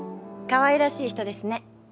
かわいらしい人ですね。